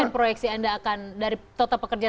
proyeksi anda akan dari total pekerja